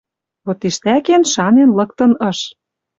Вот тиштӓкен шанен лыктын ыш: